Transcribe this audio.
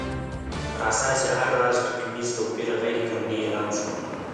پر اساس یې هر راز توکمیز توپیر غیر قانوني اعلان شو.